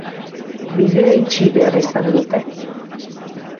Bidea itxi behar izan dute.